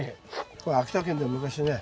これ秋田県で昔ね